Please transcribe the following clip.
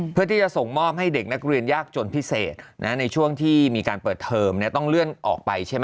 เพื่อที่จะส่งมอบให้เด็กนักเรียนยากจนพิเศษในช่วงที่มีการเปิดเทอมต้องเลื่อนออกไปใช่ไหม